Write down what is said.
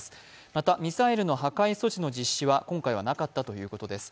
またミサイルの破壊措置の実施は今回はなかったということです。